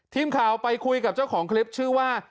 ทีมข่าวไปคุยกับเจ้าของคลิปชื่อว่า